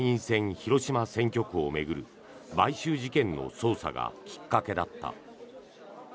広島選挙区を巡る買収事件の捜査がきっかけだった。